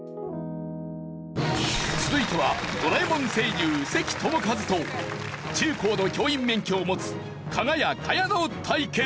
続いては『ドラえもん』声優関智一と中高の教員免許を持つかが屋賀屋の対決。